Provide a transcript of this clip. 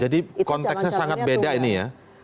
jadi konteksnya sangat beda ini ya